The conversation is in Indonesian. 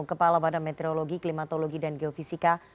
kepala badan meteorologi klimatologi dan geofisika